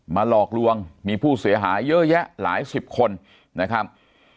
หลอกลวงมีผู้เสียหายเยอะแยะหลายสิบคนนะครับ